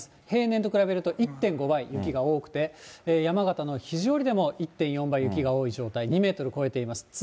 平年と比べると１．５倍雪が多くて、山形の肘折でも１．４倍、雪が多い状態、２メートル超えています。